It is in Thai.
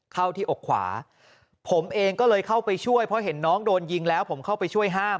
เข้าที่อกขวาผมเองก็เลยเข้าไปช่วยเพราะเห็นน้องโดนยิงแล้วผมเข้าไปช่วยห้าม